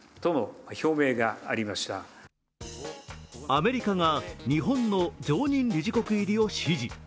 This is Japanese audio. アメリカが日本の常任理事国入りを支持。